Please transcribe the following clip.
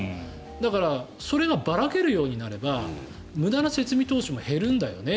だからそれがばらけるようになれば無駄な設備投資も減るんだよね